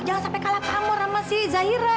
jangan sampai kalah pamor sama si zahira